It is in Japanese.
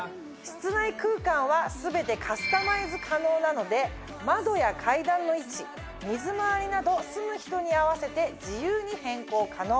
室内空間は全てカスタマイズ可能なので窓や階段の位置水回りなど住む人に合わせて自由に変更可能。